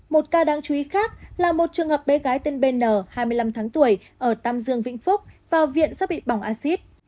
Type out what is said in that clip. một ca đáng chú ý khác là một trường hợp bé gái tên bn hai mươi năm tháng tuổi ở tam dương vĩnh phúc vào viện sẽ bị bỏng acid